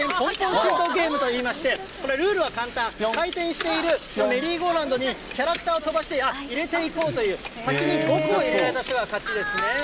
シュートゲームといいまして、ルールは簡単、回転しているメリーゴーランドに、キャラクターを飛ばして入れていこうという、先に５個入れられた人が勝ちですね。